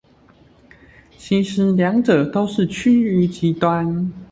其實兩者都是趨於極端